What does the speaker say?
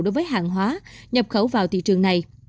đối với hàng hóa nhập khẩu vào thị trường này